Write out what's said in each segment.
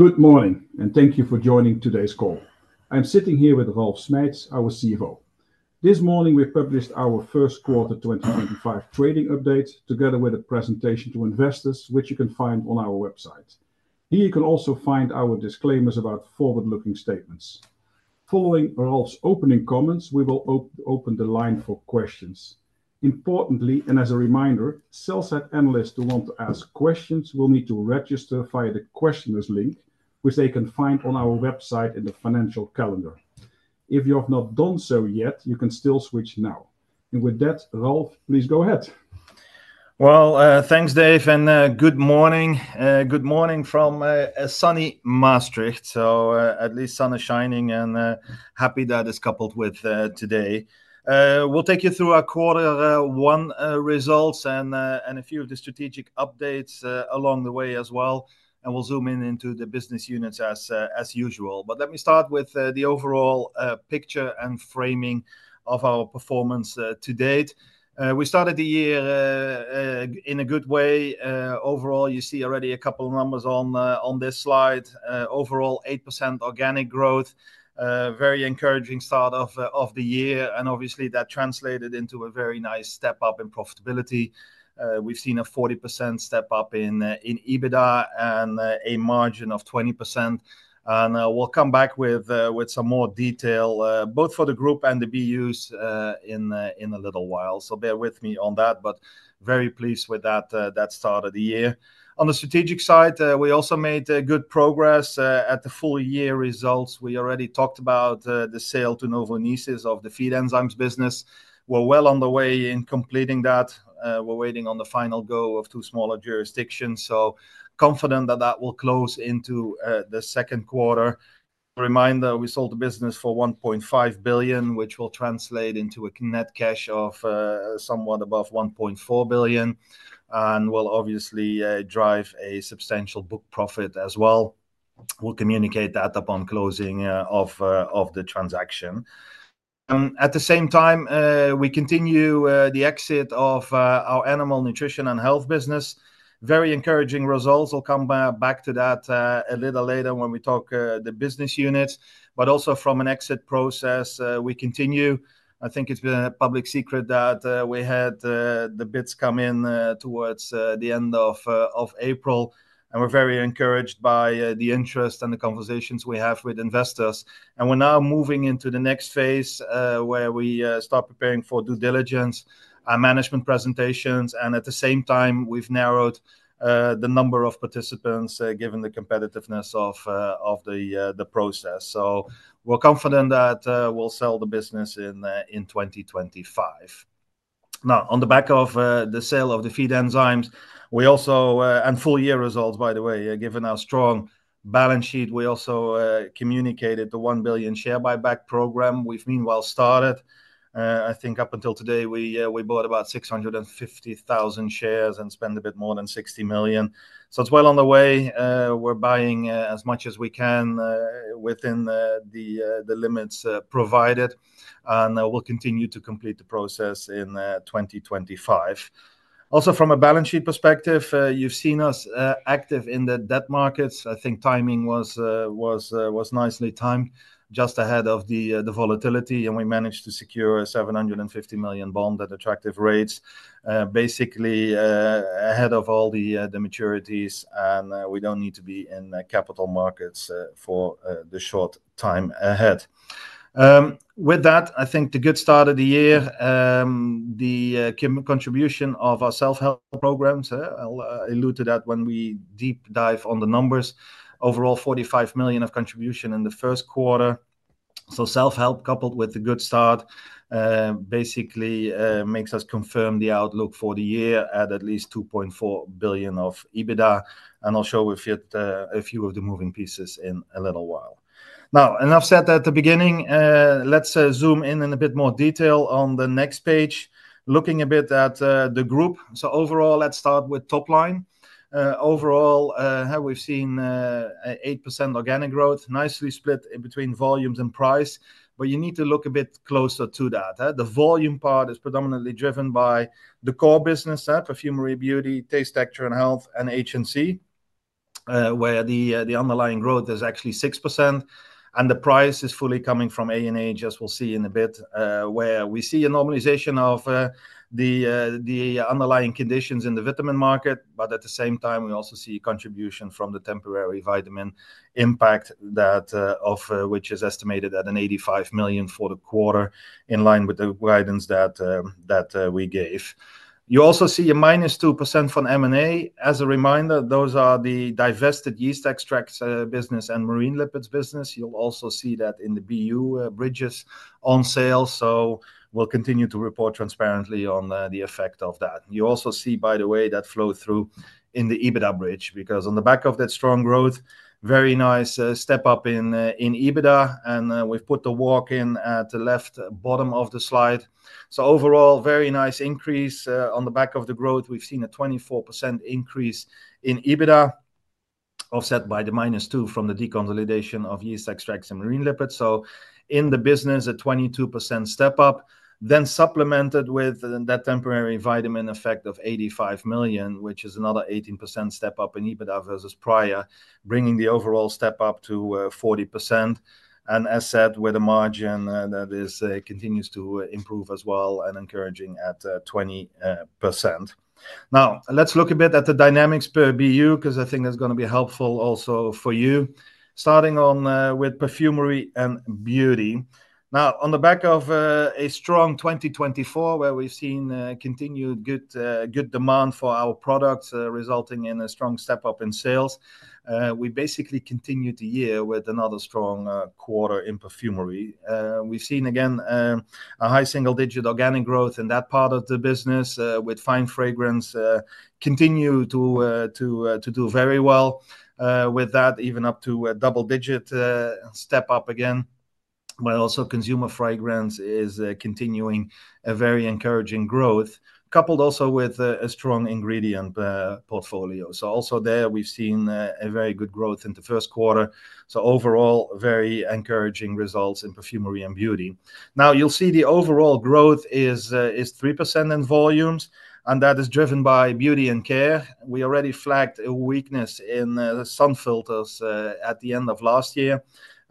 Good morning, and thank you for joining today's call. I'm sitting here with Ralf Schmeitz, our CFO. This morning we published our first quarter 2025 trading update together with a presentation to investors, which you can find on our website. Here you can also find our disclaimers about forward-looking statements. Following Ralf's opening comments, we will open the line for questions. Importantly, and as a reminder, sell-side analysts who want to ask questions will need to register via the questioners link, which they can find on our website in the financial calendar. If you have not done so yet, you can still switch now. With that, Ralf, please go ahead. Thanks Dave, and good morning. Good morning from sunny Maastricht. At least sun is shining and happy that is coupled with today. We'll take you through our quarter one results and a few of the strategic updates along the way as well. We'll zoom in into the business units as usual. Let me start with the overall picture and framing of our performance to date. We started the year in a good way. Overall, you see already a couple of numbers on this slide. Overall, 8% organic growth, very encouraging start of the year. Obviously that translated into a very nice step up in profitability. We've seen a 40% step up in EBITDA and a margin of 20%. We'll come back with some more detail, both for the group and the BUs in a little while. Bear with me on that, but very pleased with that start of the year. On the strategic side, we also made good progress at the full year results. We already talked about the sale to Novonesis of the feed enzymes business. We're well on the way in completing that. We're waiting on the final go of two smaller jurisdictions. Confident that that will close into the second quarter. Reminder, we sold the business for 1.5 billion, which will translate into a net cash of somewhat above 1.4 billion. That will obviously drive a substantial book profit as well. We'll communicate that upon closing of the transaction. At the same time, we continue the exit of our Animal Nutrition & Health business. Very encouraging results. I'll come back to that a little later when we talk the business units, but also from an exit process, we continue. I think it's been a public secret that we had the bids come in towards the end of April. We're very encouraged by the interest and the conversations we have with investors. We're now moving into the next phase where we start preparing for due diligence, our management presentations, and at the same time, we've narrowed the number of participants given the competitiveness of the process. We're confident that we'll sell the business in 2025. On the back of the sale of the feed enzymes, we also, and full year results, by the way, given our strong balance sheet, we also communicated the 1 billion share buyback program. We've meanwhile started, I think up until today, we bought about 650,000 shares and spent a bit more than 60 million. It's well on the way. We're buying as much as we can within the limits provided. We will continue to complete the process in 2025. Also, from a balance sheet perspective, you have seen us active in the debt markets. I think timing was nicely timed just ahead of the volatility, and we managed to secure a 750 million bond at attractive rates, basically ahead of all the maturities, and we do not need to be in capital markets for the short time ahead. With that, I think the good start of the year, the contribution of our self-help programs, I will allude to that when we deep dive on the numbers, overall 45 million of contribution in the first quarter. Self-help coupled with the good start basically makes us confirm the outlook for the year at at least 2.4 billion of EBITDA. I will show a few of the moving pieces in a little while. Now, and I've said that at the beginning, let's zoom in in a bit more detail on the next page, looking a bit at the group. Overall, let's start with top line. Overall, we've seen 8% organic growth, nicely split between volumes and price, but you need to look a bit closer to that. The volume part is predominantly driven by the core business, Perfumery & Beauty, Taste, Texture & Health, and HNC, where the underlying growth is actually 6%. And the price is fully coming from A&H, just we'll see in a bit, where we see a normalization of the underlying conditions in the vitamin market, but at the same time, we also see contribution from the temporary vitamin impact that of which is estimated at 85 million for the quarter, in line with the guidance that we gave. You also see a minus 2% from M&A. As a reminder, those are the divested yeast extracts business and marine lipids business. You will also see that in the BU bridges on sale. We will continue to report transparently on the effect of that. You also see, by the way, that flow through in the EBITDA bridge, because on the back of that strong growth, very nice step up in EBITDA, and we have put the walk in at the left bottom of the slide. Overall, very nice increase on the back of the growth. We have seen a 24% increase in EBITDA, offset by the minus two from the deconsolidation of yeast extracts and marine lipids. In the business, a 22% step up, then supplemented with that temporary vitamin effect of 85 million, which is another 18% step up in EBITDA versus prior, bringing the overall step up to 40%. As said, with a margin that continues to improve as well and encouraging at 20%. Now, let's look a bit at the dynamics per BU, because I think it's going to be helpful also for you, starting on with Perfumery & Beauty. On the back of a strong 2024, where we've seen continued good demand for our products resulting in a strong step up in sales, we basically continue the year with another strong quarter in Perfumery. We've seen again a high single-digit organic growth in that part of the business with Fine Fragrance continue to do very well with that, even up to a double-digit step up again, while also Consumer Fragrance is continuing a very encouraging growth, coupled also with a strong ingredient portfolio. Also there, we've seen a very good growth in the first quarter. Overall, very encouraging results in Perfumery & Beauty. Now, you'll see the overall growth is 3% in volumes, and that is driven by beauty and care. We already flagged a weakness in sun filters at the end of last year,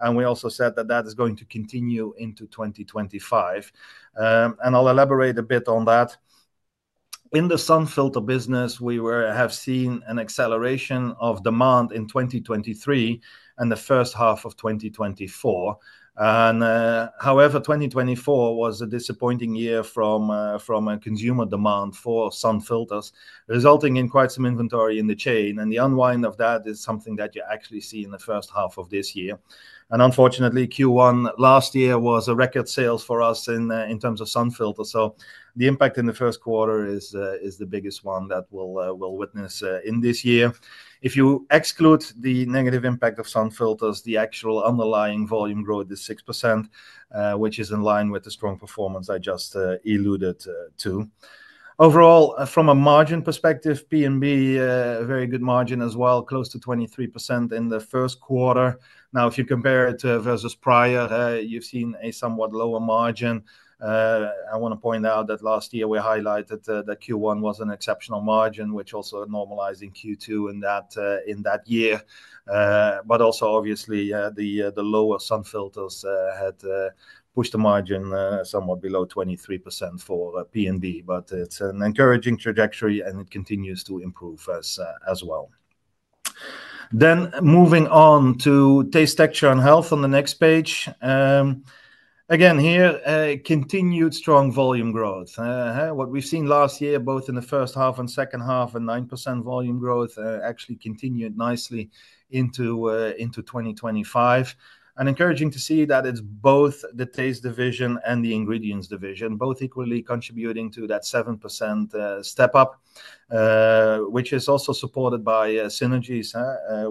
and we also said that that is going to continue into 2025. I'll elaborate a bit on that. In the sun filter business, we have seen an acceleration of demand in 2023 and the first half of 2024. However, 2024 was a disappointing year from consumer demand for sun filters, resulting in quite some inventory in the chain. The unwind of that is something that you actually see in the first half of this year. Unfortunately, Q1 last year was a record sales for us in terms of sun filters. The impact in the first quarter is the biggest one that we'll witness in this year. If you exclude the negative impact of sun filters, the actual underlying volume growth is 6%, which is in line with the strong performance I just alluded to. Overall, from a margin perspective, P&B, a very good margin as well, close to 23% in the first quarter. Now, if you compare it versus prior, you've seen a somewhat lower margin. I want to point out that last year we highlighted that Q1 was an exceptional margin, which also normalized in Q2 in that year. Also, obviously, the lower sun filters had pushed the margin somewhat below 23% for P&B, but it's an encouraging trajectory and it continues to improve as well. Moving on to Taste, Texture & Health on the next page. Again here, continued strong volume growth. What we've seen last year, both in the first half and second half, a 9% volume growth actually continued nicely into 2025. It is encouraging to see that it's both the taste division and the ingredients division, both equally contributing to that 7% step up, which is also supported by synergies.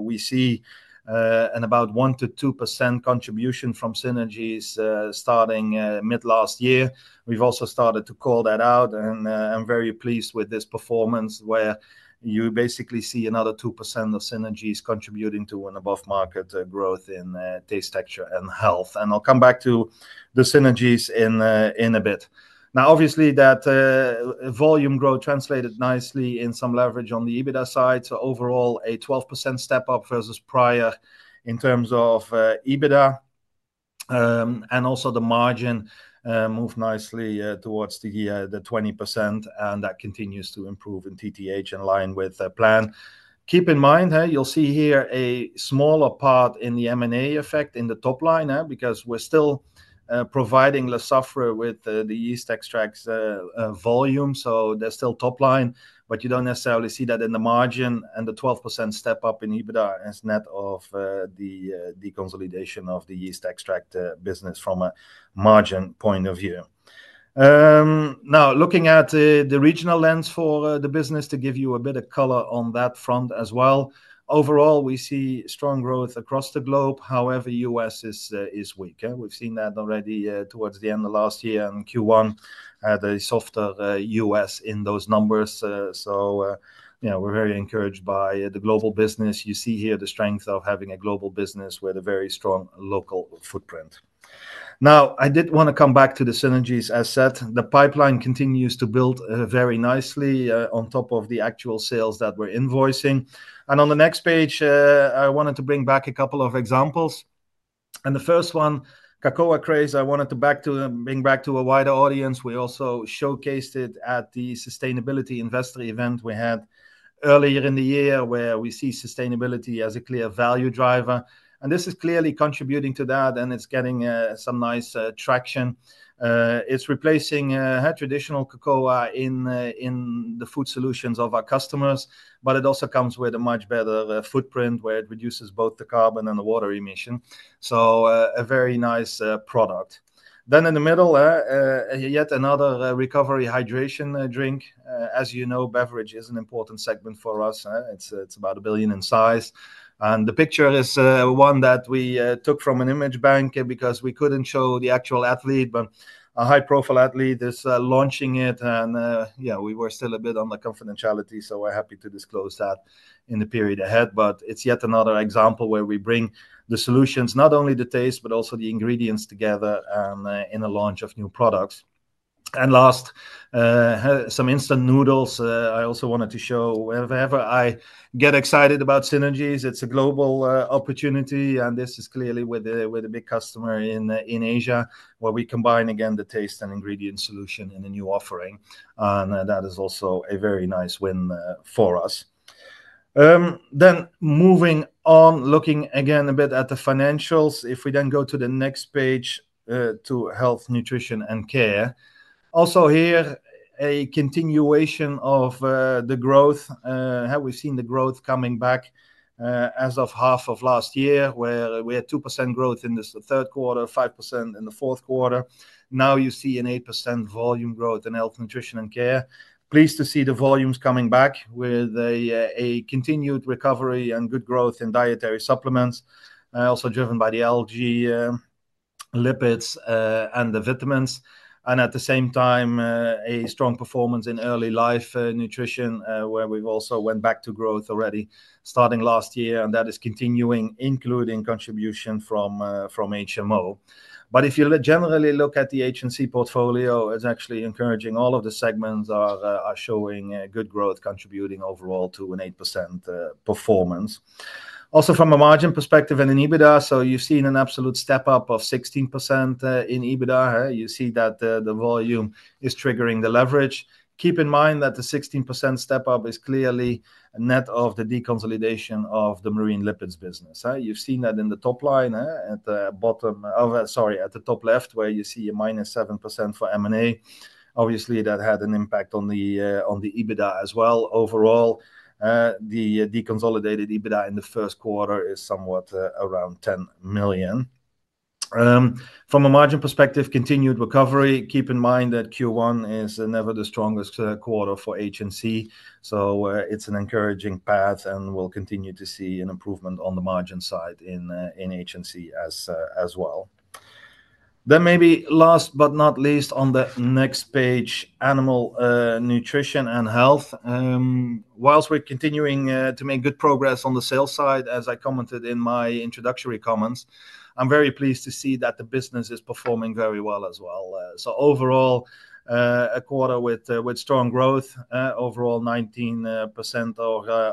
We see an about 1%-2% contribution from synergies starting mid last year. We've also started to call that out and I'm very pleased with this performance where you basically see another 2% of synergies contributing to an above-market growth in Taste, Texture & Health. I'll come back to the synergies in a bit. Obviously, that volume growth translated nicely in some leverage on the EBITDA side. Overall, a 12% step up versus prior in terms of EBITDA. The margin moved nicely towards the 20%, and that continues to improve in TTH in line with the plan. Keep in mind, you'll see here a smaller part in the M&A effect in the top line, because we're still providing Lallemand with the yeast extracts volume. There's still top line, but you don't necessarily see that in the margin and the 12% step up in EBITDA is net of the consolidation of the yeast extract business from a margin point of view. Now, looking at the regional lens for the business to give you a bit of color on that front as well. Overall, we see strong growth across the globe. However, the U.S. is weak. We've seen that already towards the end of last year and Q1 had a softer U.S. in those numbers. We are very encouraged by the global business. You see here the strength of having a global business with a very strong local footprint. Now, I did want to come back to the synergies. As said, the pipeline continues to build very nicely on top of the actual sales that we're invoicing. On the next page, I wanted to bring back a couple of examples. The first one, Cocoa Craze, I wanted to bring back to a wider audience. We also showcased it at the sustainability investor event we had earlier in the year where we see sustainability as a clear value driver. This is clearly contributing to that and it's getting some nice traction. It's replacing traditional cocoa in the food solutions of our customers, but it also comes with a much better footprint where it reduces both the carbon and the water emission. A very nice product. In the middle, yet another recovery hydration drink. As you know, beverage is an important segment for us. It is about a billion in size. The picture is one that we took from an image bank because we could not show the actual athlete, but a high-profile athlete is launching it. We are still a bit on the confidentiality, so we are happy to disclose that in the period ahead. It is yet another example where we bring the solutions, not only the taste, but also the ingredients together in a launch of new products. Last, some instant noodles. I also wanted to show whenever I get excited about synergies, it is a global opportunity. This is clearly with a big customer in Asia, where we combine again the taste and ingredient solution in a new offering. That is also a very nice win for us. Moving on, looking again a bit at the financials, if we go to the next page to Health, Nutrition & Care. Also here, a continuation of the growth. We have seen the growth coming back as of half of last year, where we had 2% growth in the third quarter, 5% in the fourth quarter. Now you see an 8% volume growth in Health, Nutrition & Care. Pleased to see the volumes coming back with a continued recovery and good growth in dietary supplements, also driven by the algal lipids and the vitamins. At the same time, a strong performance in Early Life Nutrition, where we also went back to growth already starting last year. That is continuing, including contribution from HMO. If you generally look at the HNC portfolio, it is actually encouraging. All of the segments are showing good growth, contributing overall to an 8% performance. Also from a margin perspective and in EBITDA, you have seen an absolute step up of 16% in EBITDA. You see that the volume is triggering the leverage. Keep in mind that the 16% step up is clearly net of the deconsolidation of the marine lipids business. You have seen that in the top line, at the bottom of, sorry, at the top left, where you see a minus 7% for M&A. Obviously, that had an impact on the EBITDA as well. Overall, the deconsolidated EBITDA in the first quarter is somewhat around 10 million. From a margin perspective, continued recovery. Keep in mind that Q1 is never the strongest quarter for HNC. It is an encouraging path and we will continue to see an improvement on the margin side in HNC as well. Maybe last but not least on the next page, Animal Nutrition & Health. Whilst we're continuing to make good progress on the sales side, as I commented in my introductory comments, I'm very pleased to see that the business is performing very well as well. Overall, a quarter with strong growth, overall 19%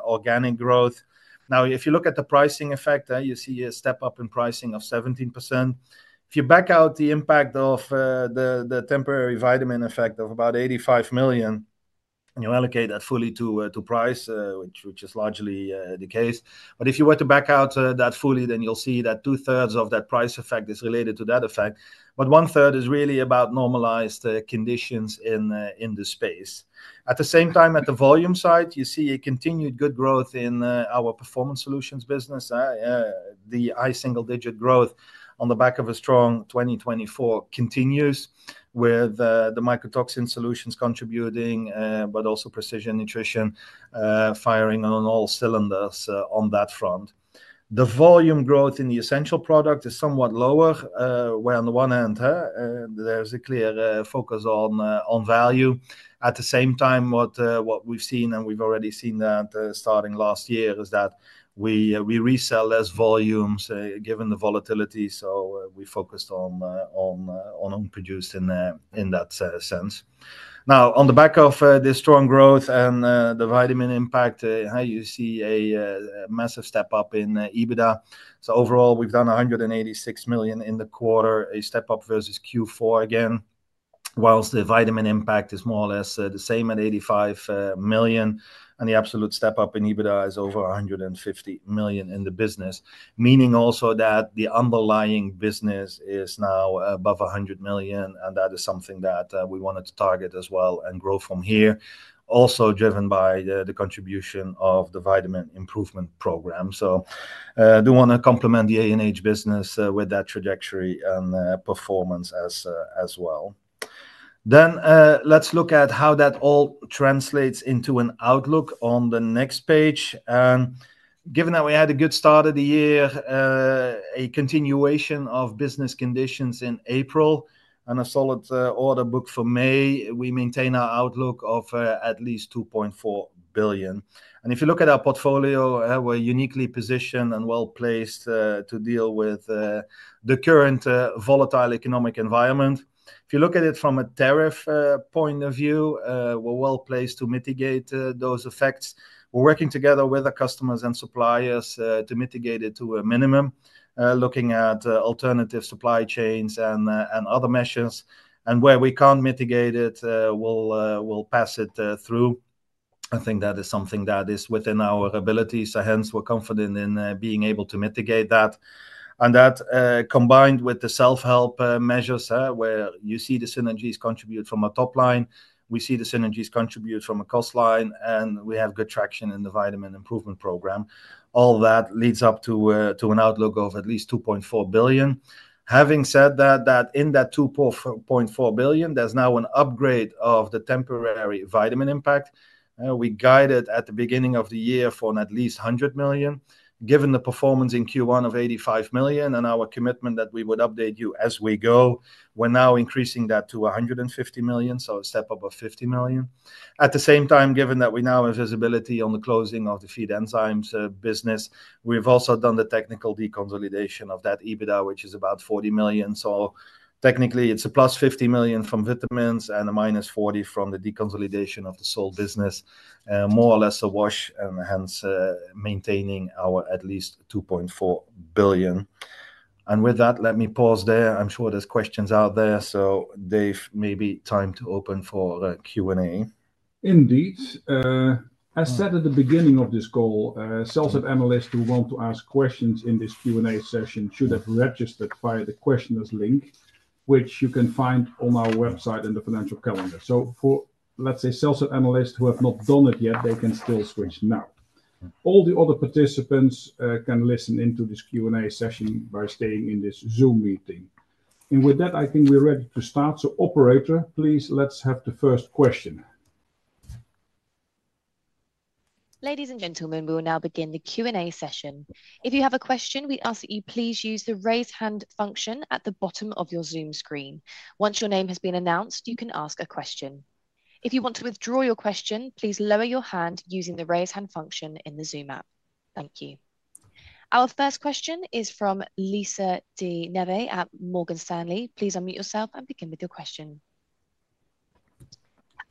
organic growth. If you look at the pricing effect, you see a step up in pricing of 17%. If you back out the impact of the temporary vitamin effect of about 85 million, you allocate that fully to price, which is largely the case. If you were to back out that fully, then you'll see that two-thirds of that price effect is related to that effect. One-third is really about normalized conditions in the space. At the same time, at the volume side, you see a continued good growth in our Performance Solutions business. The high single-digit growth on the back of a strong 2024 continues with the mycotoxin solutions contributing, but also precision nutrition firing on all cylinders on that front. The volume growth in the Essential Products is somewhat lower, where on the one hand, there's a clear focus on value. At the same time, what we've seen, and we've already seen that starting last year, is that we resell less volumes given the volatility. We focused on producing in that sense. Now, on the back of the strong growth and the vitamin impact, you see a massive step up in EBITDA. Overall, we've done 186 million in the quarter, a step up versus Q4 again, whilst the vitamin impact is more or less the same at 85 million. The absolute step up in EBITDA is over $150 million in the business, meaning also that the underlying business is now above $100 million. That is something that we wanted to target as well and grow from here, also driven by the contribution of the vitamin improvement program. I do want to complement the A&H business with that trajectory and performance as well. Let's look at how that all translates into an outlook on the next page. Given that we had a good start of the year, a continuation of business conditions in April, and a solid order book for May, we maintain our outlook of at least 2.4 billion. If you look at our portfolio, we are uniquely positioned and well placed to deal with the current volatile economic environment. If you look at it from a tariff point of view, we're well placed to mitigate those effects. We're working together with our customers and suppliers to mitigate it to a minimum, looking at alternative supply chains and other measures. Where we can't mitigate it, we'll pass it through. I think that is something that is within our abilities. Hence, we're confident in being able to mitigate that. That combined with the self-help measures where you see the synergies contribute from a top line, we see the synergies contribute from a cost line, and we have good traction in the vitamin improvement program. All that leads up to an outlook of at least 2.4 billion. Having said that, in that 2.4 billion, there's now an upgrade of the temporary vitamin impact. We guided at the beginning of the year for at least 100 million. Given the performance in Q1 of $85 million and our commitment that we would update you as we go, we're now increasing that to $150 million, so a step up of $50 million. At the same time, given that we now have visibility on the closing of the feed enzymes business, we've also done the technical deconsolidation of that EBITDA, which is about $40 million. Technically, it's a plus $50 million from vitamins and a minus $40 million from the deconsolidation of the sole business, more or less a wash, and hence maintaining our at least $2.4 billion. With that, let me pause there. I'm sure there's questions out there. Dave, maybe time to open for Q&A. Indeed. As said at the beginning of this call, sales and analysts who want to ask questions in this Q&A session should have registered via the questioners link, which you can find on our website and the financial calendar. For sales and analysts who have not done it yet, they can still switch now. All the other participants can listen into this Q&A session by staying in this Zoom meeting. With that, I think we're ready to start. Operator, please, let's have the first question. Ladies and gentlemen, we will now begin the Q&A session. If you have a question, we ask that you please use the raise hand function at the bottom of your Zoom screen. Once your name has been announced, you can ask a question. If you want to withdraw your question, please lower your hand using the raise hand function in the Zoom app. Thank you. Our first question is from Lisa De Neve at Morgan Stanley. Please unmute yourself and begin with your question.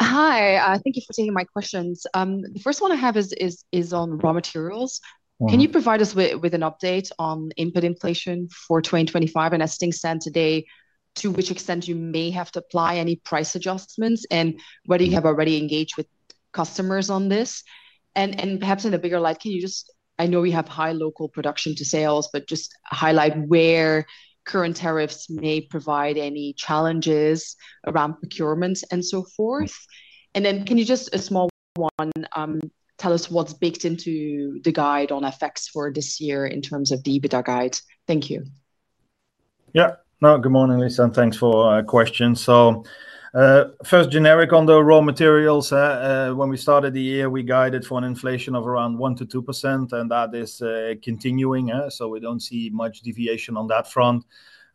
Hi, thank you for taking my questions. The first one I have is on raw materials. Can you provide us with an update on input inflation for 2025 and as things stand today, to which extent you may have to apply any price adjustments and whether you have already engaged with customers on this? Perhaps in a bigger light, can you just, I know we have high local production to sales, but just highlight where current tariffs may provide any challenges around procurement and so forth. Can you just, a small one, tell us what's baked into the guide on effects for this year in terms of the EBITDA guide? Thank you. Yeah. No, good morning, Lisa. Thanks for the question. First, generic on the raw materials. When we started the year, we guided for an inflation of around 1%-2%, and that is continuing. We do not see much deviation on that front.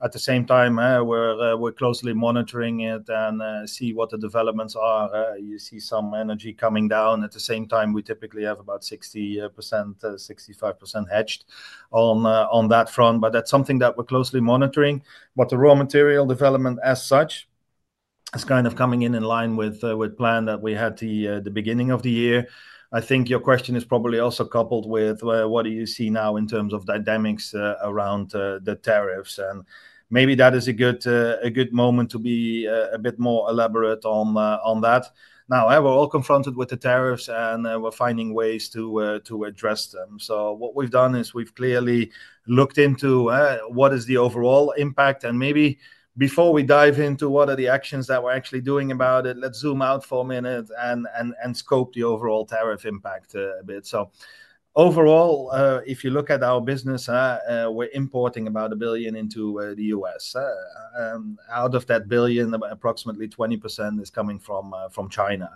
At the same time, we're closely monitoring it and see what the developments are. You see some energy coming down. At the same time, we typically have about 60%-65% hedged on that front. That is something that we're closely monitoring. The raw material development as such is kind of coming in in line with the plan that we had at the beginning of the year. I think your question is probably also coupled with what do you see now in terms of dynamics around the tariffs. Maybe that is a good moment to be a bit more elaborate on that. Now, we're all confronted with the tariffs and we're finding ways to address them. What we've done is we've clearly looked into what is the overall impact. Maybe before we dive into what are the actions that we're actually doing about it, let's zoom out for a minute and scope the overall tariff impact a bit. Overall, if you look at our business, we're importing about $1 billion into the U.S. Out of that billion, approximately 20% is coming from China.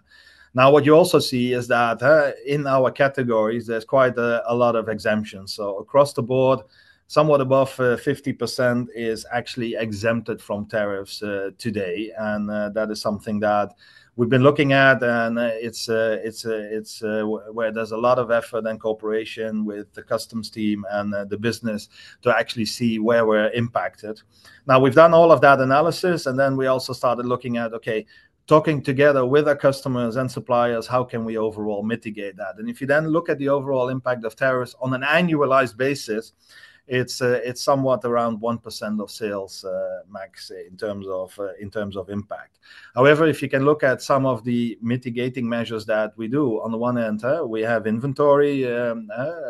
What you also see is that in our categories, there's quite a lot of exemptions. Across the board, somewhat above 50% is actually exempted from tariffs today. That is something that we've been looking at. It is where there's a lot of effort and cooperation with the customs team and the business to actually see where we're impacted. Now, we've done all of that analysis. We also started looking at, okay, talking together with our customers and suppliers, how can we overall mitigate that? If you then look at the overall impact of tariffs on an annualized basis, it's somewhat around 1% of sales max in terms of impact. However, if you look at some of the mitigating measures that we do, on the one hand, we have inventory,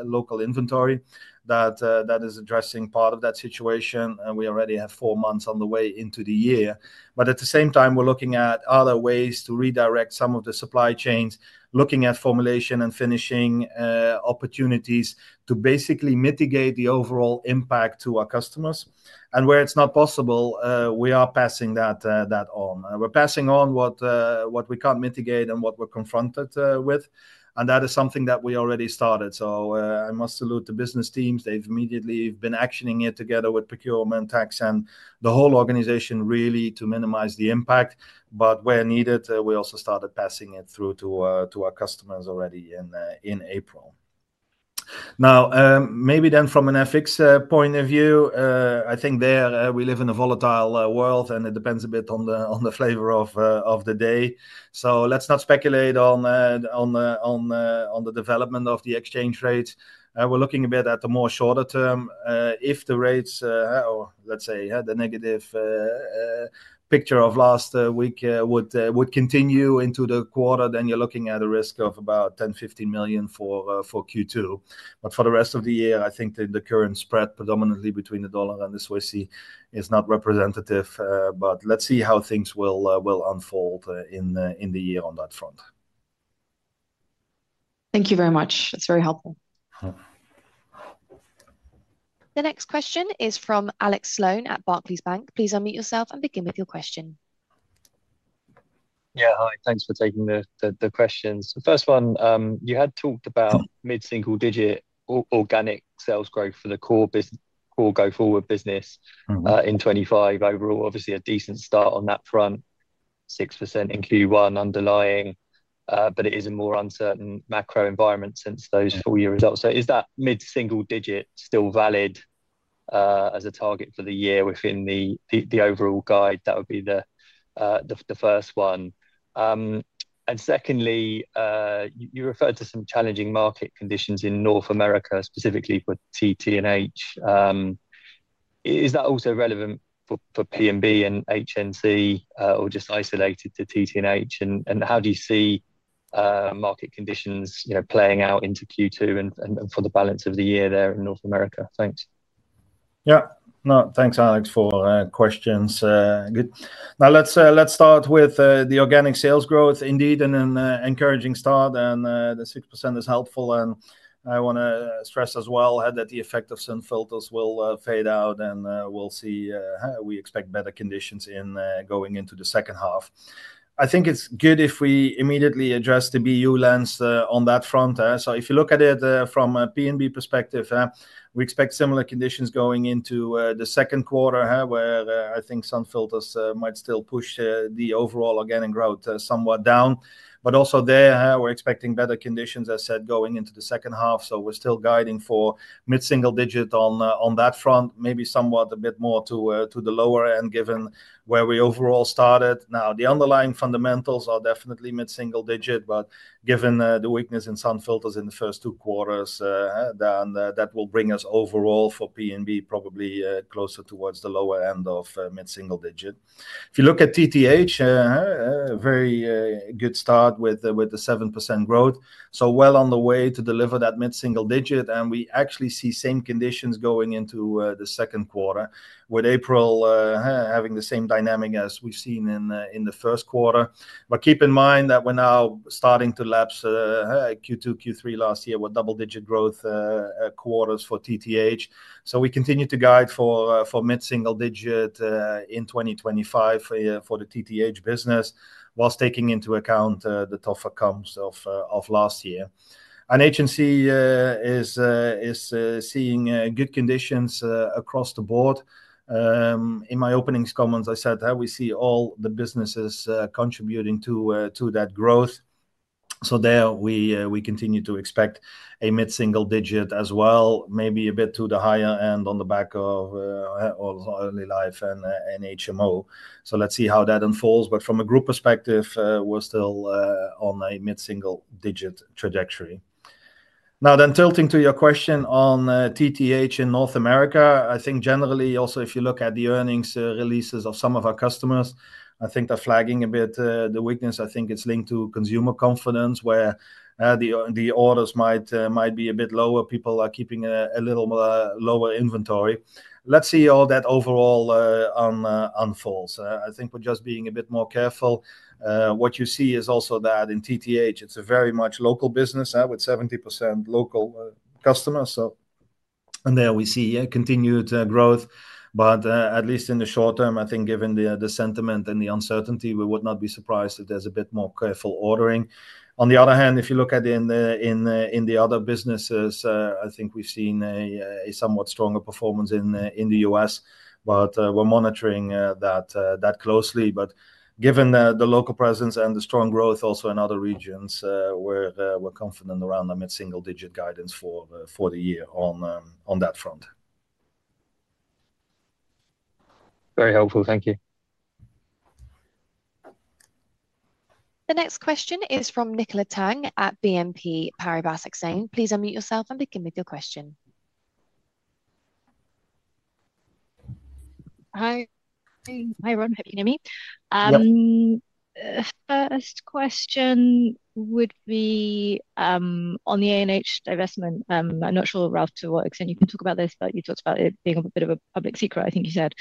local inventory that is addressing part of that situation. We already have four months on the way into the year. At the same time, we're looking at other ways to redirect some of the supply chains, looking at formulation and finishing opportunities to basically mitigate the overall impact to our customers. Where it's not possible, we are passing that on. We're passing on what we can't mitigate and what we're confronted with. That is something that we already started. I must salute the business teams. They've immediately been actioning it together with procurement, tax, and the whole organization really to minimize the impact. Where needed, we also started passing it through to our customers already in April. Maybe then from an ethics point of view, I think there we live in a volatile world, and it depends a bit on the flavor of the day. Let's not speculate on the development of the exchange rates. We're looking a bit at the more shorter term. If the rates, or let's say the negative picture of last week would continue into the quarter, then you're looking at a risk of about $10 million-$15 million for Q2. For the rest of the year, I think the current spread predominantly between the dollar and the Swissie is not representative. Let's see how things will unfold in the year on that front. Thank you very much. That's very helpful. The next question is from Alex Sloane at Barclays Bank. Please unmute yourself and begin with your question. Yeah, hi. Thanks for taking the questions. The first one, you had talked about mid-single digit organic sales growth for the core business, core go forward business in 2025 overall, obviously a decent start on that front, 6% in Q1 underlying, but it is a more uncertain macro environment since those full year results. Is that mid-single digit still valid as a target for the year within the overall guide? That would be the first one. Secondly, you referred to some challenging market conditions in North America, specifically for TTH. Is that also relevant for P&B and HNC or just isolated to TTH? How do you see market conditions playing out into Q2 and for the balance of the year there in North America? Thanks. Yeah. No, thanks, Alex, for questions. Good. Now, let's start with the organic sales growth. Indeed, an encouraging start, and the 6% is helpful. I want to stress as well that the effect of sun filters will fade out, and we will see how we expect better conditions going into the second half. I think it is good if we immediately address the BU lens on that front. If you look at it from a P&B perspective, we expect similar conditions going into the second quarter, where I think sun filters might still push the overall organic growth somewhat down. Also there, we are expecting better conditions, as said, going into the second half. We are still guiding for mid-single digit on that front, maybe somewhat a bit more to the lower end given where we overall started. Now, the underlying fundamentals are definitely mid-single digit, but given the weakness in sun filters in the first two quarters, that will bring us overall for P&B probably closer towards the lower end of mid-single digit. If you look at TTH, a very good start with the 7% growth. We are well on the way to deliver that mid-single digit. We actually see same conditions going into the second quarter, with April having the same dynamic as we've seen in the first quarter. Keep in mind that we're now starting to lapse Q2, Q3 last year with double-digit growth quarters for TTH. We continue to guide for mid-single digit in 2025 for the TTH business, whilst taking into account the tougher comps of last year. HNC is seeing good conditions across the board. In my opening comments, I said how we see all the businesses contributing to that growth. There we continue to expect a mid-single digit as well, maybe a bit to the higher end on the back of early life and HMO. Let's see how that unfolds. From a group perspective, we're still on a mid-single digit trajectory. Now, tilting to your question on TTH in North America, I think generally, also if you look at the earnings releases of some of our customers, I think they're flagging a bit the weakness. I think it's linked to consumer confidence, where the orders might be a bit lower. People are keeping a little lower inventory. Let's see how that overall unfolds. I think we're just being a bit more careful. What you see is also that in TTH, it's a very much local business with 70% local customers. There we see continued growth. At least in the short term, I think given the sentiment and the uncertainty, we would not be surprised if there's a bit more careful ordering. On the other hand, if you look at the other businesses, I think we've seen a somewhat stronger performance in the U.S. We're monitoring that closely. Given the local presence and the strong growth also in other regions, we're confident around the mid-single digit guidance for the year on that front. Very helpful. Thank you. The next question is from Nicola Tang at BNP Paribas Exane. Please unmute yourself and begin with your question. Hi. Hi, everyone. Hope you can hear me. First question would be on the A&H divestment. I'm not sure, Ralf, to what extent you can talk about this, but you talked about it being a bit of a public secret, I think you said.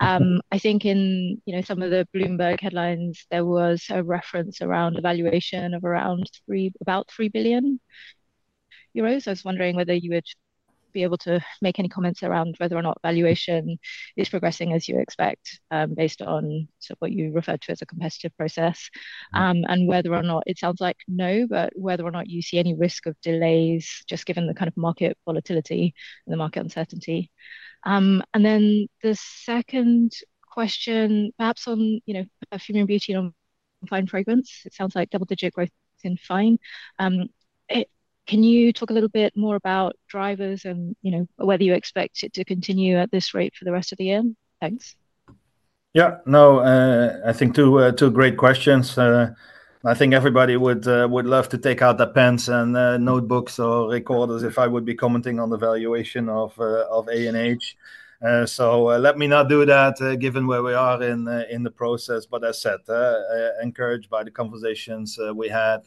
I think in some of the Bloomberg headlines, there was a reference around a valuation of around about 3 billion euros. I was wondering whether you would be able to make any comments around whether or not valuation is progressing as you expect based on what you referred to as a competitive process and whether or not it sounds like no, but whether or not you see any risk of delays just given the kind of market volatility and the market uncertainty. The second question, perhaps on Perfumery and Beauty and Fine Fragrance, it sounds like double-digit growth in fine. Can you talk a little bit more about drivers and whether you expect it to continue at this rate for the rest of the year? Thanks. Yeah. No, I think two great questions. I think everybody would love to take out their pens and notebooks or recorders if I would be commenting on the valuation of A&H. Let me not do that given where we are in the process. As said, encouraged by the conversations we had.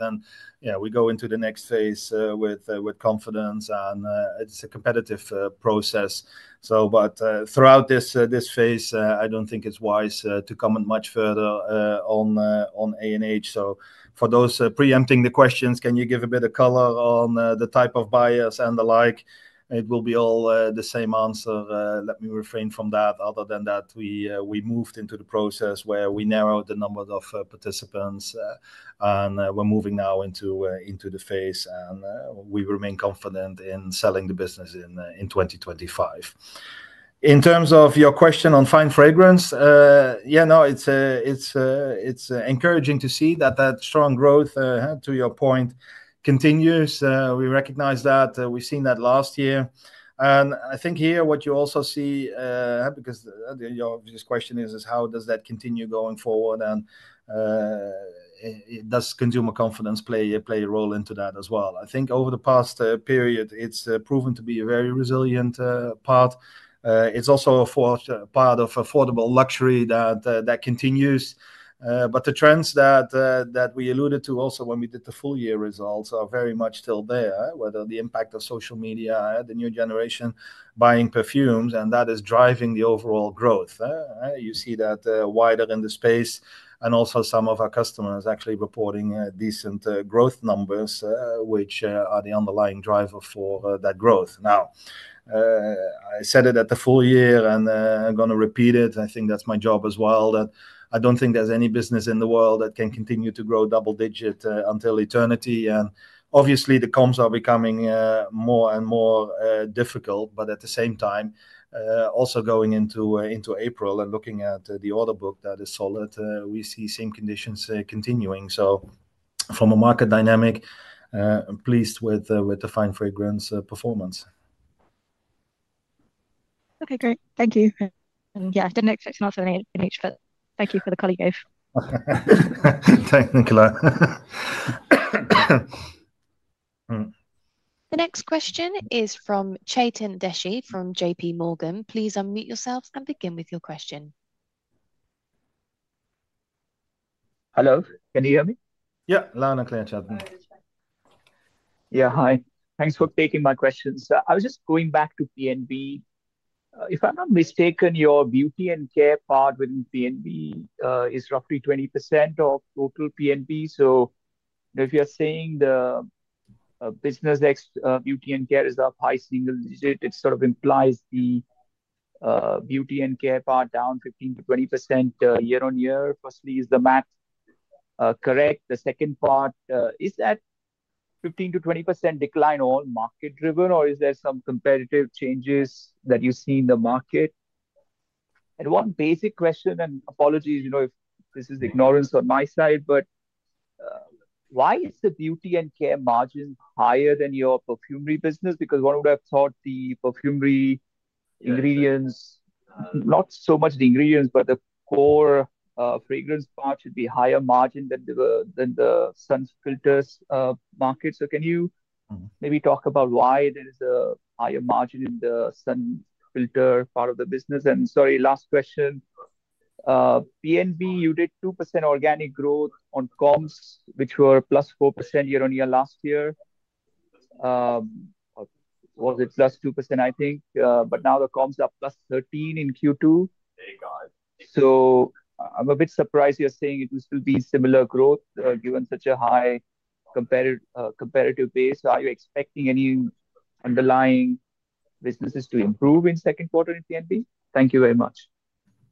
Yeah, we go into the next phase with confidence. It is a competitive process. Throughout this phase, I do not think it is wise to comment much further on A&H. For those preempting the questions, can you give a bit of color on the type of buyers and the like? It will be all the same answer. Let me refrain from that. Other than that, we moved into the process where we narrowed the number of participants. We are moving now into the phase. We remain confident in selling the business in 2025. In terms of your question on Fine Fragrance, yeah, no, it's encouraging to see that that strong growth, to your point, continues. We recognize that. We've seen that last year. I think here what you also see, because this question is, how does that continue going forward? Does consumer confidence play a role into that as well? I think over the past period, it's proven to be a very resilient part. It's also a part of affordable luxury that continues. The trends that we alluded to also when we did the full year results are very much still there, whether the impact of social media, the new generation buying perfumes, and that is driving the overall growth. You see that wider in the space. Also, some of our customers actually reporting decent growth numbers, which are the underlying driver for that growth. Now, I said it at the full year and I'm going to repeat it. I think that's my job as well, that I don't think there's any business in the world that can continue to grow double-digit until eternity. Obviously, the comms are becoming more and more difficult. At the same time, also going into April and looking at the order book that is solid, we see same conditions continuing. From a market dynamic, pleased with the Fine Fragrance performance. Okay, great. Thank you. Yeah, I didn't expect to answer anything in English, but thank you for the colleague gift. Thank you. The next question is from Chetan Udeshi from J.P. Morgan. Please unmute yourself and begin with your question. Hello. Can you hear me? Yeah, loud and clear, Chetan. Yeah, hi. Thanks for taking my questions. I was just going back to P&B. If I'm not mistaken, your beauty and care part within P&B is roughly 20% of total P&B. If you're saying the business beauty and care is up high single digit, it sort of implies the beauty and care part down 15%-20% year-on-year. Firstly, is the math correct? The second part, is that 15%-20% decline all market-driven, or is there some competitive changes that you see in the market? One basic question, and apologies if this is ignorance on my side, but why is the beauty and care margin higher than your perfumery business? Because one would have thought the perfumery ingredients, not so much the ingredients, but the core fragrance part should be higher margin than the sun filters market. Can you maybe talk about why there is a higher margin in the sun filter part of the business? Sorry, last question. P&B, you did 2% organic growth on comms, which were plus 4% year on year last year. Was it plus 2%, I think? Now the comms are plus 13% in Q2. I am a bit surprised you are saying it will still be similar growth given such a high competitive base. Are you expecting any underlying businesses to improve in second quarter in P&B? Thank you very much.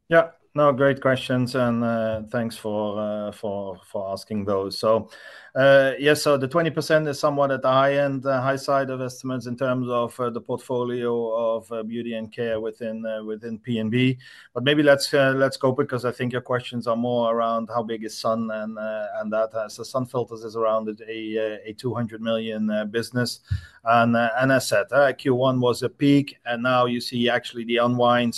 Yeah. No, great questions. Thanks for asking those. Yeah, the 20% is somewhat at the high end, high side of estimates in terms of the portfolio of beauty and care within P&B. Maybe let's go because I think your questions are more around how big is Sun and that as the Sun filters is around a 200 million business. As said, Q1 was a peak. Now you see actually the unwind.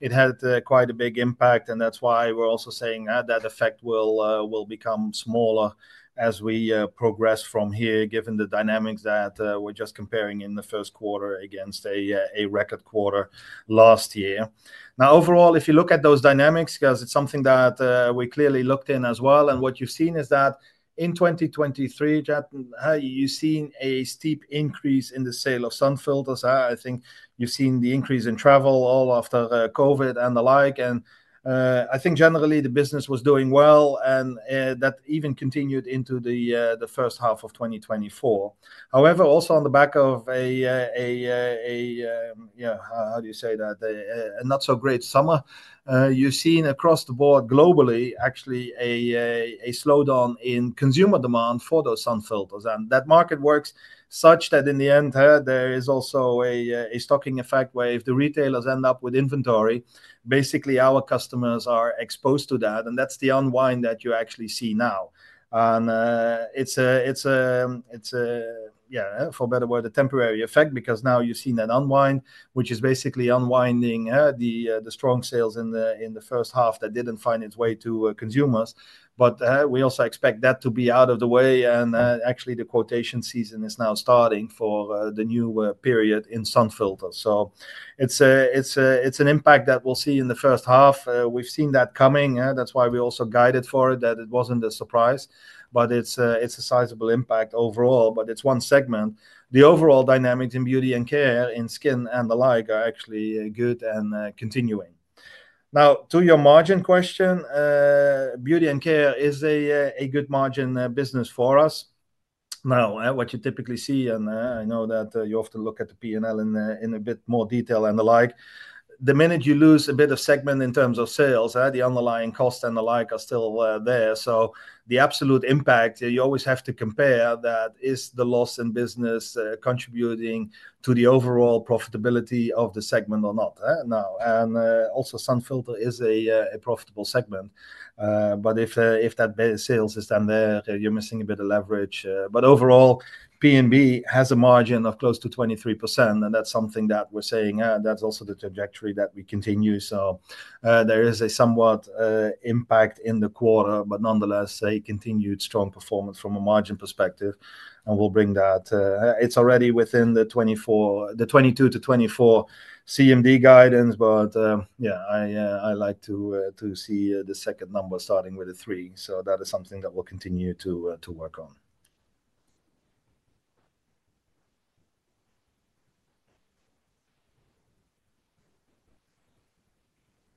It had quite a big impact. That's why we're also saying that effect will become smaller as we progress from here, given the dynamics that we're just comparing in the first quarter against a record quarter last year. Overall, if you look at those dynamics, it's something that we clearly looked in as well. What you've seen is that in 2023, Chet, you've seen a steep increase in the sale of sun filters. I think you've seen the increase in travel all after COVID and the like. I think generally the business was doing well. That even continued into the first half of 2024. However, also on the back of a, yeah, how do you say that? A not-so-great summer, you've seen across the board globally, actually a slowdown in consumer demand for those sun filters. That market works such that in the end, there is also a stocking effect where if the retailers end up with inventory, basically our customers are exposed to that. That's the unwind that you actually see now. It is, for better word, a temporary effect because now you have seen that unwind, which is basically unwinding the strong sales in the first half that did not find its way to consumers. We also expect that to be out of the way. Actually, the quotation season is now starting for the new period in sun filters. It is an impact that we will see in the first half. We have seen that coming. That is why we also guided for it, that it was not a surprise, but it is a sizable impact overall. It is one segment. The overall dynamics in beauty and care in skin and the like are actually good and continuing. Now, to your margin question, beauty and care is a good margin business for us. Now, what you typically see, and I know that you often look at the P&L in a bit more detail and the like, the minute you lose a bit of segment in terms of sales, the underlying cost and the like are still there. So the absolute impact, you always have to compare that is the loss in business contributing to the overall profitability of the segment or not. Now, also sun filter is a profitable segment. If that sales is down there, you're missing a bit of leverage. Overall, P&B has a margin of close to 23%. That's something that we're saying that's also the trajectory that we continue. There is a somewhat impact in the quarter, nonetheless, a continued strong performance from a margin perspective. We'll bring that. It's already within the 22%-24% CMD guidance. Yeah, I like to see the second number starting with a three. That is something that we'll continue to work on.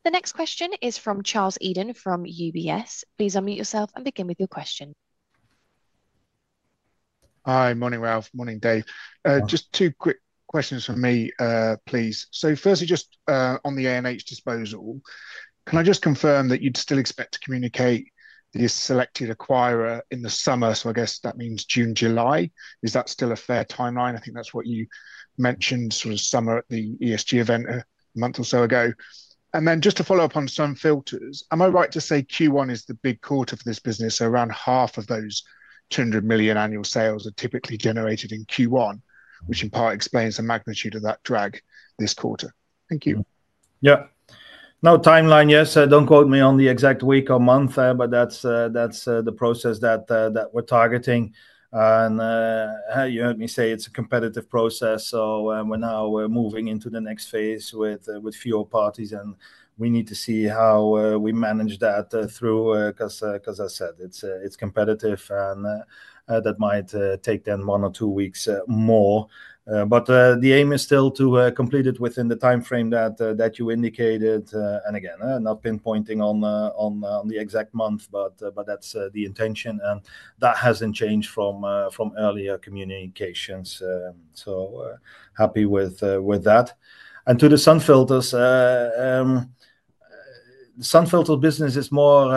The next question is from Charles Eden from UBS. Please unmute yourself and begin with your question. Hi, morning, Ralf. Morning, Dave. Just two quick questions for me, please. Firstly, just on the A&H disposal, can I just confirm that you'd still expect to communicate the selected acquirer in the summer? I guess that means June, July. Is that still a fair timeline? I think that's what you mentioned, sort of summer at the ESG event a month or so ago. Just to follow up on sun filters, am I right to say Q1 is the big quarter for this business? Around half of those 200 million annual sales are typically generated in Q1, which in part explains the magnitude of that drag this quarter. Thank you. Yeah. No timeline, yes. Do not quote me on the exact week or month, but that is the process that we are targeting. You heard me say it is a competitive process. We are now moving into the next phase with fewer parties. We need to see how we manage that through because, as I said, it is competitive. That might take then one or two weeks more. The aim is still to complete it within the timeframe that you indicated. Again, not pinpointing on the exact month, but that is the intention. That has not changed from earlier communications. Happy with that. To the sun filters, the sun filter business is more,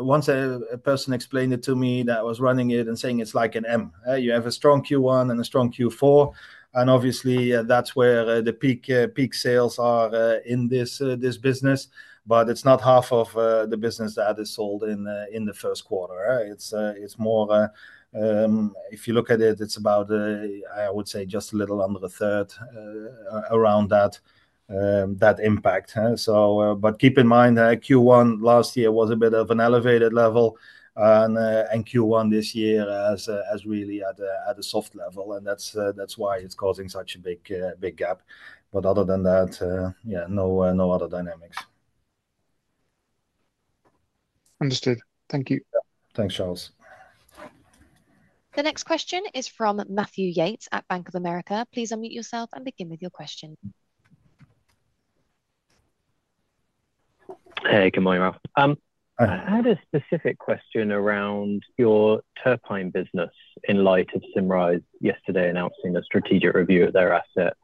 once a person explained it to me that I was running it and saying it's like an M. You have a strong Q1 and a strong Q4. Obviously, that's where the peak sales are in this business. It's not half of the business that is sold in the first quarter. It's more, if you look at it, it's about, I would say, just a little under a third around that impact. Keep in mind, Q1 last year was a bit of an elevated level. Q1 this year is really at a soft level. That's why it's causing such a big gap. Other than that, yeah, no other dynamics. Understood. Thank you. Thanks, Charles. The next question is from Matthew Yates at Bank of America. Please unmute yourself and begin with your question. Hey, good morning, Ralf. I had a specific question around your terpine business in light of Symrise yesterday announcing a strategic review of their asset.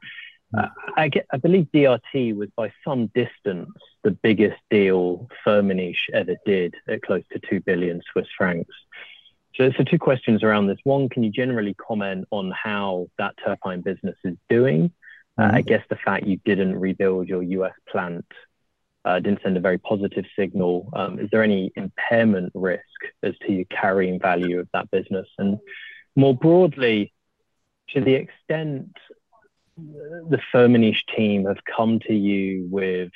I believe DRT was by some distance the biggest deal Firmenich ever did at close to 2 billion Swiss francs. There are two questions around this. One, can you generally comment on how that terpine business is doing? I guess the fact you did not rebuild your U.S. plant did not send a very positive signal. Is there any impairment risk as to your carrying value of that business? More broadly, to the extent the Firmenich team have come to you with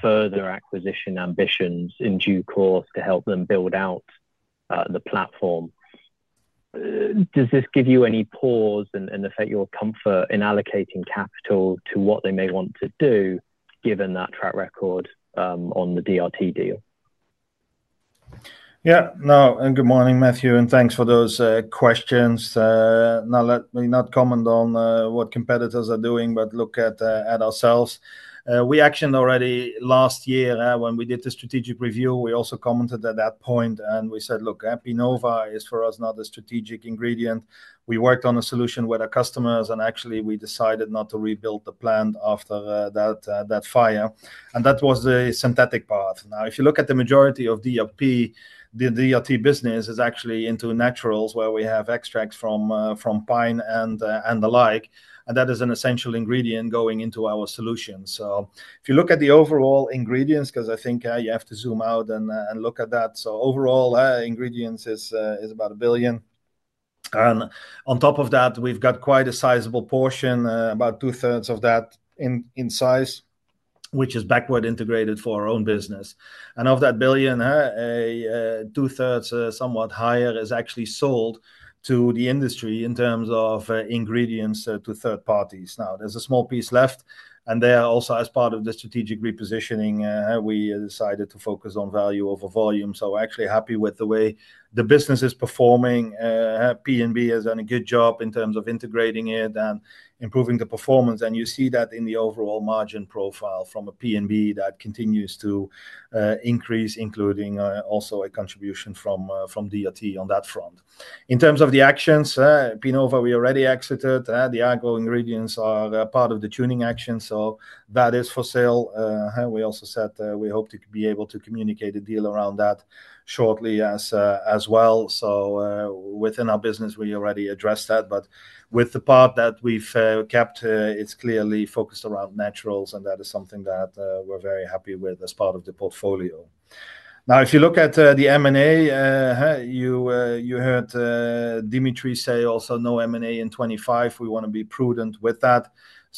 further acquisition ambitions in due course to help them build out the platform, does this give you any pause and affect your comfort in allocating capital to what they may want to do given that track record on the DRT deal? Yeah. No, good morning, Matthew. Thanks for those questions. Let me not comment on what competitors are doing, but look at ourselves. We actually already last year, when we did the strategic review, we also commented at that point. We said, look, Pinova is for us not a strategic ingredient. We worked on a solution with our customers. Actually, we decided not to rebuild the plant after that fire. That was the synthetic part. If you look at the majority of DRT, the DRT business is actually into naturals where we have extracts from pine and the like. That is an essential ingredient going into our solution. If you look at the overall ingredients, because I think you have to zoom out and look at that, overall, ingredients is about a billion. On top of that, we've got quite a sizable portion, about two-thirds of that in size, which is backward integrated for our own business. Of that billion, two-thirds, somewhat higher, is actually sold to the industry in terms of ingredients to third parties. Now, there's a small piece left. There also, as part of the strategic repositioning, we decided to focus on value over volume. Actually happy with the way the business is performing. P&B has done a good job in terms of integrating it and improving the performance. You see that in the overall margin profile from a P&B that continues to increase, including also a contribution from DRT on that front. In terms of the actions, Pinova, we already exited. The agro ingredients are part of the tuning action. That is for sale. We also said we hope to be able to communicate a deal around that shortly as well. Within our business, we already addressed that. With the part that we've kept, it's clearly focused around naturals. That is something that we're very happy with as part of the portfolio. Now, if you look at the M&A, you heard Dimitri say also no M&A in 2025. We want to be prudent with that.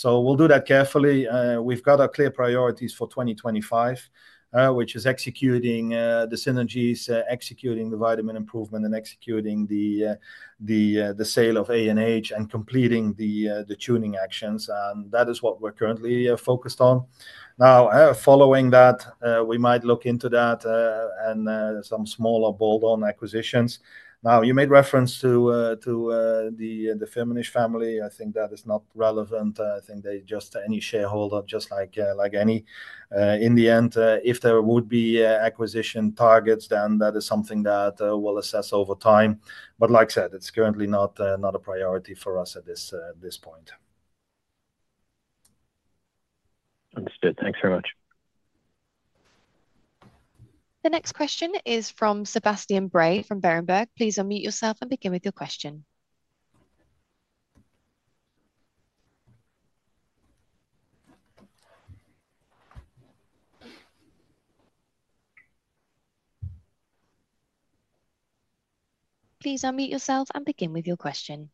We'll do that carefully. We've got our clear priorities for 2025, which is executing the synergies, executing the vitamin improvement, and executing the sale of A&H and completing the tuning actions. That is what we're currently focused on. Following that, we might look into that and some smaller bolt-on acquisitions. You made reference to the Firmenich family. I think that is not relevant. I think they are just any shareholder, just like any. In the end, if there would be acquisition targets, then that is something that we'll assess over time. Like I said, it's currently not a priority for us at this point. Understood. Thanks very much. The next question is from Sebastian Bray from Berenberg. Please unmute yourself and begin with your question. Please unmute yourself and begin with your question.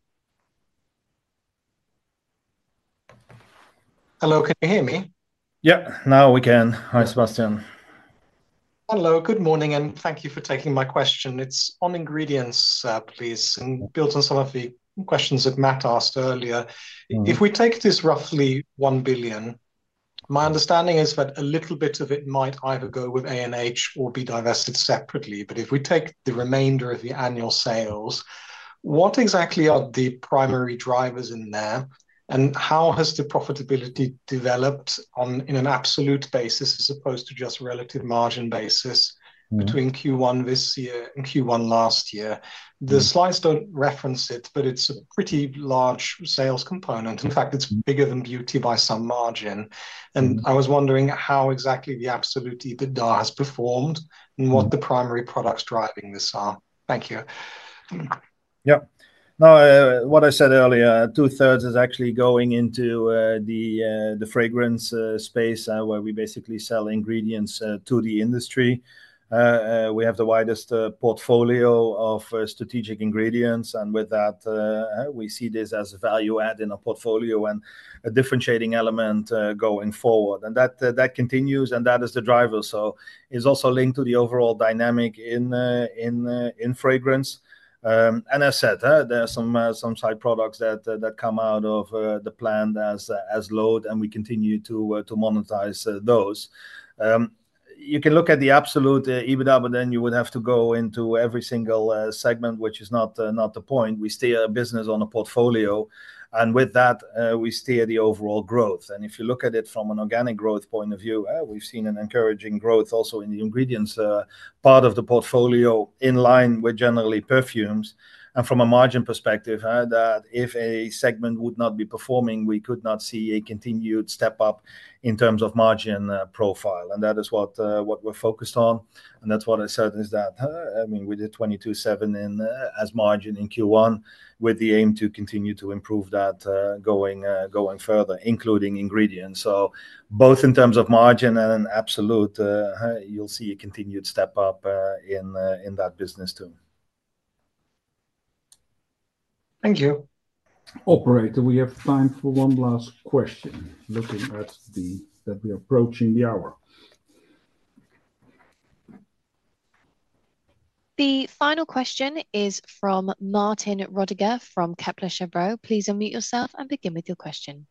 Hello, can you hear me? Yeah, now we can. Hi, Sebastian. Hello, good morning, and thank you for taking my question. It's on ingredients, please, and built on some of the questions that Matt asked earlier. If we take this roughly 1 billion, my understanding is that a little bit of it might either go with A&H or be divested separately. If we take the remainder of the annual sales, what exactly are the primary drivers in there? How has the profitability developed in an absolute basis as opposed to just relative margin basis between Q1 this year and Q1 last year? The slides do not reference it, but it is a pretty large sales component. In fact, it is bigger than beauty by some margin. I was wondering how exactly the absolute EBITDA has performed and what the primary products driving this are. Thank you. Yeah. No, what I said earlier, two-thirds is actually going into the fragrance space where we basically sell ingredients to the industry. We have the widest portfolio of strategic ingredients. With that, we see this as a value add in our portfolio and a differentiating element going forward. That continues, and that is the driver. It is also linked to the overall dynamic in fragrance. As I said, there are some side products that come out of the plant as load, and we continue to monetize those. You can look at the absolute EBITDA, but then you would have to go into every single segment, which is not the point. We steer a business on a portfolio. With that, we steer the overall growth. If you look at it from an organic growth point of view, we have seen encouraging growth also in the ingredients part of the portfolio in line with generally perfumes. From a margin perspective, if a segment would not be performing, we could not see a continued step up in terms of margin profile. That is what we are focused on. That's what I said is that, I mean, we did 22.7% as margin in Q1 with the aim to continue to improve that going further, including ingredients. Both in terms of margin and absolute, you'll see a continued step up in that business too. Thank you. Operator, we have time for one last question looking at the fact that we are approaching the hour. The final question is from Martin Roediger from Kepler Cheuvreux. Please unmute yourself and begin with your question.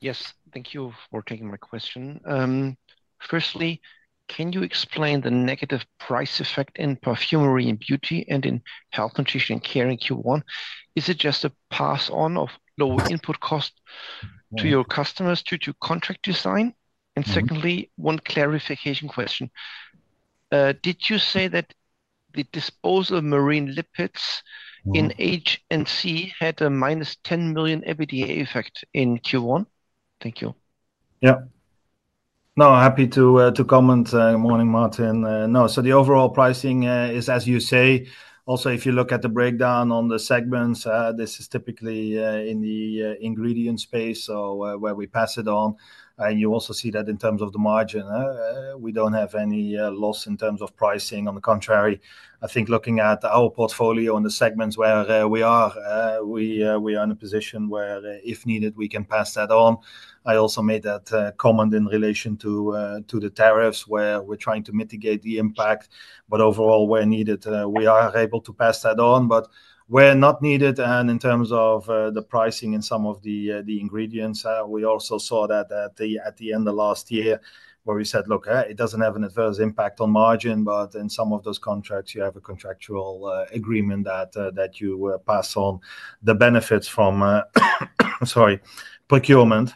Yes, thank you for taking my question. Firstly, can you explain the negative price effect in Perfumery & Beauty and in Health, Nutrition & Care in Q1? Is it just a pass-on of low input cost to your customers due to contract design? Secondly, one clarification question. Did you say that the disposal of marine lipids in HNC had a minus 10 million EBITDA effect in Q1? Thank you. Yeah. No, happy to comment. Morning, Martin. No, the overall pricing is, as you say, also if you look at the breakdown on the segments, this is typically in the ingredient space or where we pass it on. You also see that in terms of the margin. We do not have any loss in terms of pricing. On the contrary, I think looking at our portfolio and the segments where we are, we are in a position where if needed, we can pass that on. I also made that comment in relation to the tariffs where we are trying to mitigate the impact. Overall, where needed, we are able to pass that on. Where not needed, and in terms of the pricing and some of the ingredients, we also saw that at the end of last year where we said, look, it does not have an adverse impact on margin. In some of those contracts, you have a contractual agreement that you pass on the benefits from, sorry, procurement.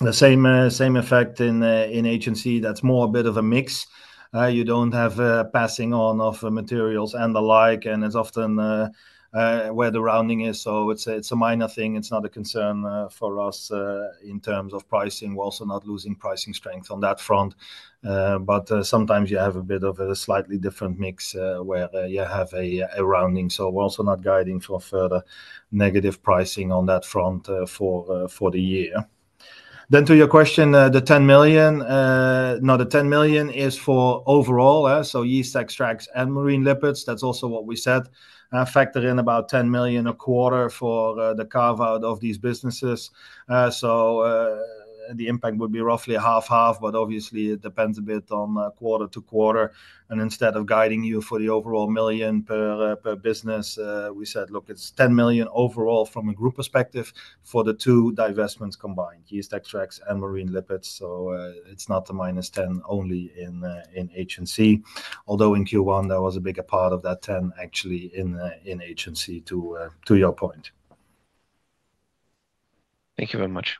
The same effect in HNC, that is more a bit of a mix. You do not have passing on of materials and the like. It is often where the rounding is. It is a minor thing. It is not a concern for us in terms of pricing. We are also not losing pricing strength on that front. Sometimes you have a bit of a slightly different mix where you have a rounding. We are also not guiding for further negative pricing on that front for the year. To your question, the 10 million, no, the 10 million is for overall. Yeast extracts and marine lipids, that's also what we said. Factor in about 10 million a quarter for the carve-out of these businesses. The impact would be roughly half-half, but obviously, it depends a bit on quarter to quarter. Instead of guiding you for the overall million per business, we said, look, it's 10 million overall from a group perspective for the two divestments combined, yeast extracts and marine lipids. It's not a minus 10 only in HNC. Although in Q1, there was a bigger part of that 10 actually in HNC to your point. Thank you very much.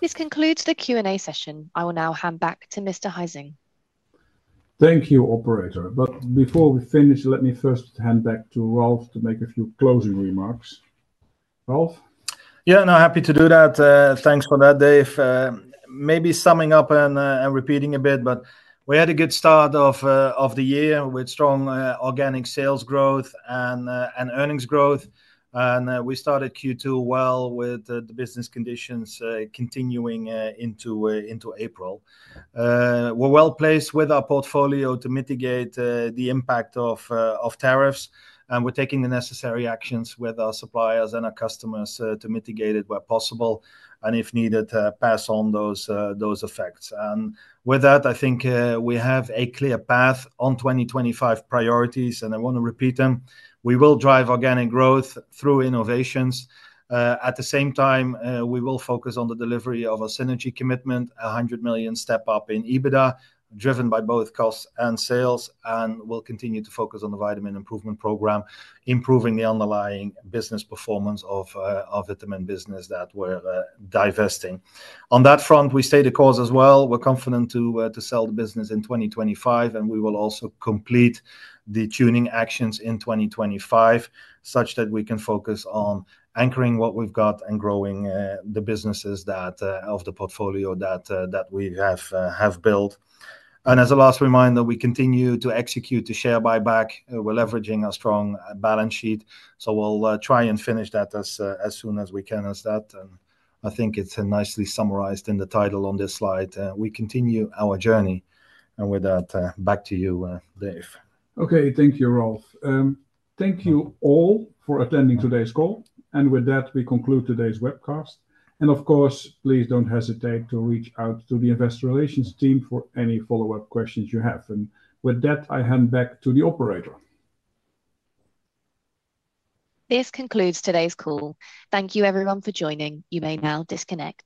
This concludes the Q&A session. I will now hand back to Mr. Huizing. Thank you, operator. Before we finish, let me first hand back to Ralf to make a few closing remarks. Ralf? Yeah, no, happy to do that. Thanks for that, Dave. Maybe summing up and repeating a bit, but we had a good start of the year with strong organic sales growth and earnings growth. We started Q2 well with the business conditions continuing into April. We are well placed with our portfolio to mitigate the impact of tariffs. We are taking the necessary actions with our suppliers and our customers to mitigate it where possible and, if needed, pass on those effects. With that, I think we have a clear path on 2025 priorities. I want to repeat them. We will drive organic growth through innovations. At the same time, we will focus on the delivery of a synergy commitment, a 100 million step-up in EBITDA driven by both costs and sales. We will continue to focus on the vitamin improvement program, improving the underlying business performance of the vitamin business that we are divesting. On that front, we stay the course as well. We are confident to sell the business in 2025. We will also complete the tuning actions in 2025 such that we can focus on anchoring what we have got and growing the businesses of the portfolio that we have built. As a last reminder, we continue to execute the share buyback. We are leveraging a strong balance sheet. We will try and finish that as soon as we can. I think it is nicely summarized in the title on this slide. We continue our journey. With that, back to you, Dave. Okay, thank you, Ralf. Thank you all for attending today's call. With that, we conclude today's webcast. Of course, please do not hesitate to reach out to the investor relations team for any follow-up questions you have. With that, I hand back to the operator. This concludes today's call. Thank you, everyone, for joining. You may now disconnect.